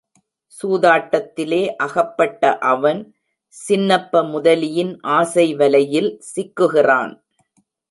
சூதாட்டத்திலே அகப்பட்ட அவன், சின்னப்ப முதலியின் ஆசை வலையில் சிக்குகிறான்.